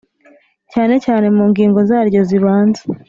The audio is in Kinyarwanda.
Cyane cyane mu ngingo zaryo zibanza